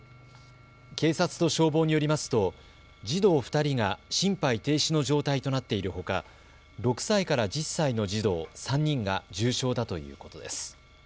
警察と消防によりますと児童２人が心肺停止の状態となっているほか６歳から１０歳の児童３人が重傷だということです。